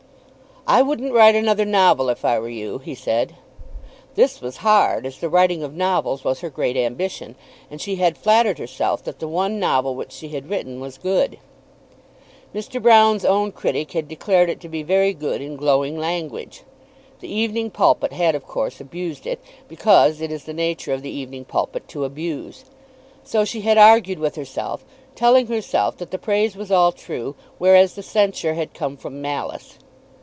"I wouldn't write another novel if I were you," he said. This was hard, as the writing of novels was her great ambition, and she had flattered herself that the one novel which she had written was good. Mr. Broune's own critic had declared it to be very good in glowing language. The "Evening Pulpit" had of course abused it, because it is the nature of the "Evening Pulpit" to abuse. So she had argued with herself, telling herself that the praise was all true, whereas the censure had come from malice.